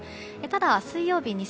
ただ、水曜日西